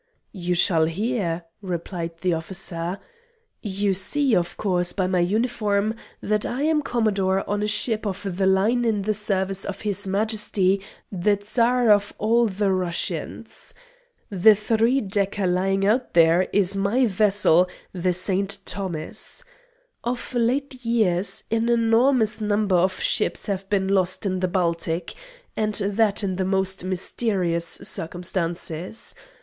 "You shall hear," replied the officer. "You see, of course, by my uniform that I am Commodore on a ship of the line in the service of his Majesty the Tsar of all the Russias. The three decker lying out there is my vessel the St. Thomas. Of late years an enormous number of ships have been lost in the Baltic, and that in the most mysterious circumstances.